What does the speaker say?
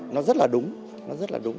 nó rất là đúng nó rất là đúng